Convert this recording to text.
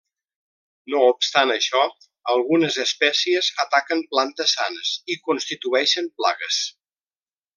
No obstant això, algunes espècies ataquen plantes sanes i constitueixen plagues.